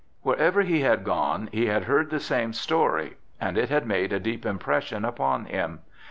Wherever he had gone he had heard the same story, and it had made a deep impression upon him.